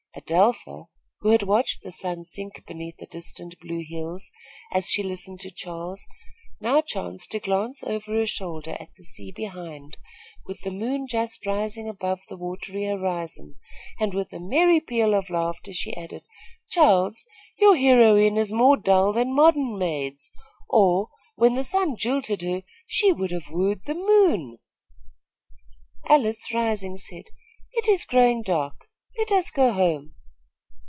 Adelpha, who had watched the sun sink beneath the distant blue hills, as she listened to Charles, now chanced to glance over her shoulder at the sea behind, with the moon just rising above the watery horizon, and with a merry peal of laughter she added: "Charles, your heroine is more dull than modern maids, or, when the sun jilted her, she would have wooed the moon." Alice, rising, said, "It is growing dark. Let us go home."